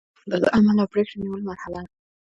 دا د عمل او پریکړې نیولو مرحله ده.